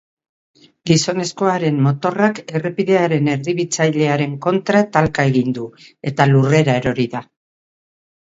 Gizonezkoaren motorrak errepidearen erdibitzailearen kontra talka egin du, eta lurrera erori da.